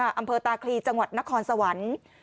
อำเภอตาคลีจังหวัดนครสวรรค์